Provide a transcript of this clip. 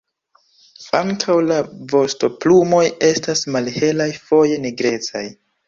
Ankaŭ la vostoplumoj estas malhelaj, foje nigrecaj.